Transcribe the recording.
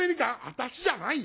「私じゃないよ！